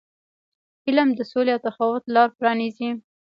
علم د سولې او تفاهم لار پرانیزي.